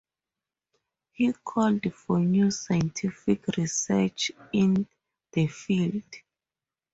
He called for new scientific research in the field.